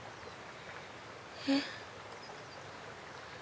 えっ？